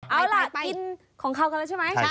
เอาล่ะกินของเขากันแล้วใช่ไหม